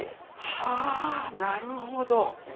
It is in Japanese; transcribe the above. はぁなるほど！